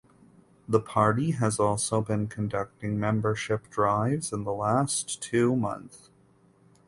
The party has also been conducting membership drives in last two month.